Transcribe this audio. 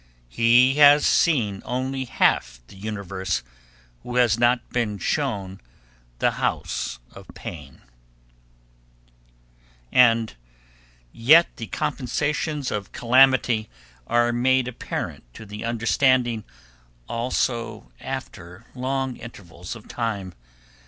"He has seen only half the universe who has not been shown the House of Pain." [Sidenote: Emerson's "Compensation"] "And yet the compensations of calamity are made apparent to the understanding also after long intervals of time.